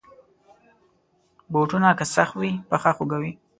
بوټونه که سخت وي، پښه خوږوي.